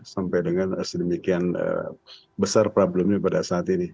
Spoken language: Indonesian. sampai dengan sedemikian besar problemnya pada saat ini